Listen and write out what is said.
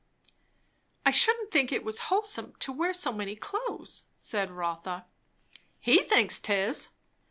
"I shouldn't think it was wholesome to wear so many clothes," said Rotha. "He thinks 'tis."